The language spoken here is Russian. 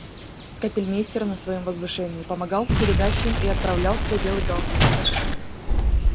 Капельмейстер на своем возвышении помогал в передаче и оправлял свой белый галстук.